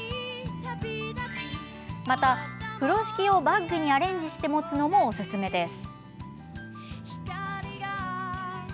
また、風呂敷をバッグにアレンジして持つのもおすすめです。